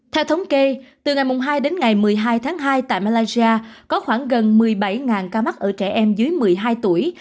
theo thống kê từ ngày hai đến ngày một mươi hai tháng hai tại malaysia có khoảng gần một mươi bảy ca mắc ở trẻ em dưới một mươi hai tuổi